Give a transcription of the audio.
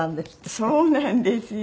そうなんですよ。